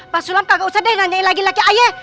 pak sulam kagak usah deh nanyain lagi laki laki ayah